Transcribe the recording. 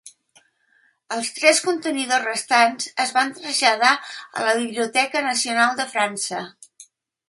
Els tres contenidors restants es van traslladar a la Biblioteca Nacional de França.